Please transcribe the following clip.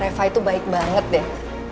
reva itu baik banget deh